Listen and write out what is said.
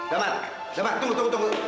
damar coba tunggu tunggu tunggu